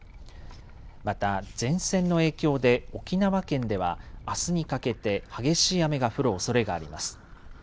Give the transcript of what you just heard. また前線の影響で沖縄県ではあすにかけて激しい雨が降るおそれがあります。